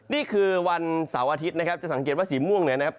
นี่คือวันเสาร์อาทิตย์นะครับจะสังเกตว่าสีม่วงเนี่ยนะครับ